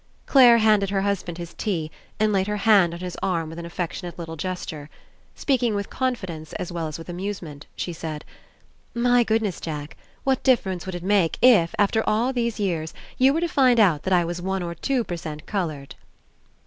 Clare handed her husband his tea and laid her hand on his arm with an affectionate little gesture. Speaking with confidence as well as with amusement, she said: "My goodness, Jack! What difference would it make if, after all these years, you were to find out that I was one or two per cent coloured?"